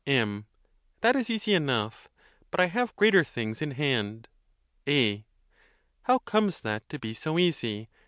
M. That is easy enough; but I have greater things in hand. A. How comes that to be so easy?